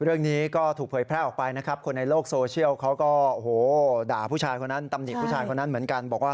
เรื่องนี้ก็ถูกเผยแพร่ออกไปนะครับคนในโลกโซเชียลเขาก็ด่าผู้ชายคนนั้นเหมือนกัน